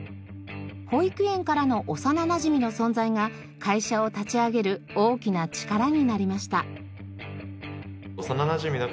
保育園からの幼なじみの存在が会社を立ち上げる大きな力になりました。